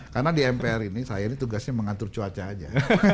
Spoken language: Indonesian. kalau di dpr ini saya tugasnya mengatur cuaca saja